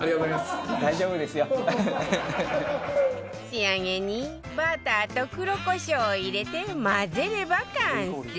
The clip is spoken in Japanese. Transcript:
仕上げにバターと黒コショウを入れて混ぜれば完成